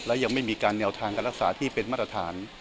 และยังไม่มีการแนวทางการรักษาที่เป็นมาตรฐาน